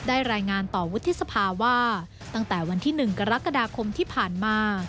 รายงานต่อวุฒิสภาว่าตั้งแต่วันที่๑กรกฎาคมที่ผ่านมา